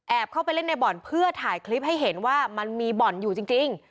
เข้าไปเล่นในบ่อนเพื่อถ่ายคลิปให้เห็นว่ามันมีบ่อนอยู่จริง